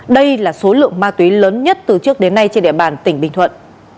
đây là số lượng ma túy lớn nhất từ trước đến nay trên địa bàn tỉnh bình thuận